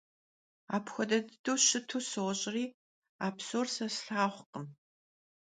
Apxuede dıdeu şıtu soş'ri, a psor se slhağurkhım.